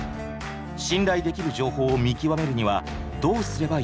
信頼できる情報を見極めるにはどうすればいいのか。